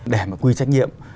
để mà quy trách nhiệm